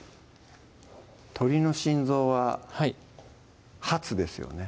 鶏の心臓はハツですよね